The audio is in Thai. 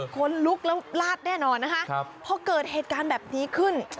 คนลุกแล้วลาดแน่นอนนะคะพอเกิดเหตุการณ์แบบนี้ขึ้น